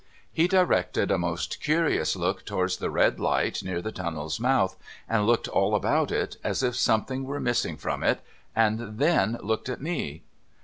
He directed a most curious look towards the red light near the tunnel's mouth, and looked all about it, as if something were missing from it, and then looked at me.